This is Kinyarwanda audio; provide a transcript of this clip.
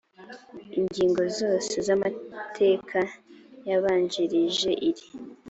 ingingo zose z amateka yabanjirije iri